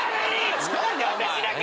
何で私だけ！